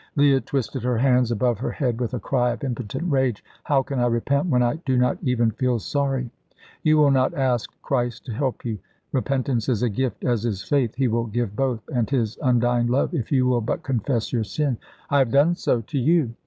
Leah twisted her hands above her head with a cry of impotent rage. "How can I repent, when I do not even feel sorry?" "You will not ask Christ to help you. Repentance is a gift, as is Faith. He will give both, and His undying Love, if you will but confess your sin." "I have done so to you."